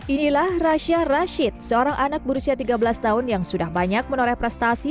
inilah rasha rashid seorang anak berusia tiga belas tahun yang sudah banyak menoreh prestasi